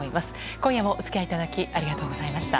今夜もおつきあいいただきありがとうございました。